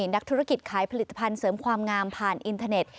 นักธุรกิจขายผลิตภัณฑ์เสริมความงามผ่านอินเทอร์เน็ต